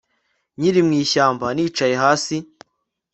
Nkiri mu ishyamba nicaye hasi